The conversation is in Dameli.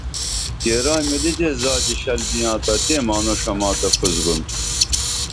کیرا مِلی دے زادی شل بیاں تا تیں مانُݜ اما تہ پُھس بُن